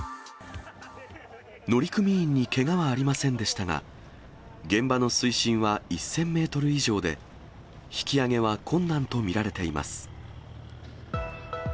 乗組員にけがはありませんでしたが、現場の水深は１０００メートル以上で、引き揚げは困難と見られています。